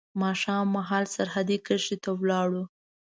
ماښام مهال سرحدي کرښې ته ولاړو.